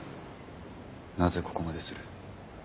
なぜここまでする？